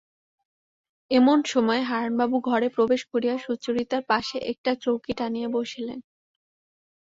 এমন সময় হারানবাবু ঘরে প্রবেশ করিয়া সুচরিতার পাশে একটা চৌকি টানিয়া বসিলেন।